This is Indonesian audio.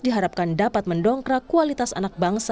diharapkan dapat mendongkrak kualitas anak bangsa